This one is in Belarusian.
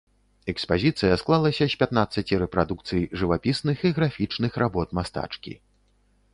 Экспазіцыя склалася з пятнаццаці рэпрадукцый жывапісных і графічных работ мастачкі.